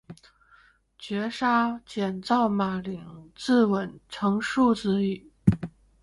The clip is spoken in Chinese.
绝杀，减灶马陵自刎，成竖子矣